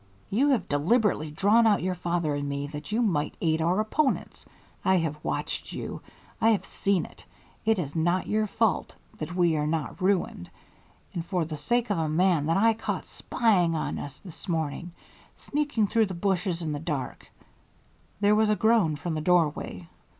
"You have deliberately drawn out your father and me that you might aid our opponents. I have watched you I have seen it it is not your fault that we are not ruined and for the sake of a man that I caught spying on us this morning, sneaking through the bushes in the dark " There was a groan from the doorway.